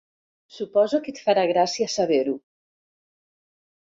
Suposo que et farà gràcia saber-ho.